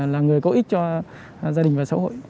là người có ích cho gia đình và xã hội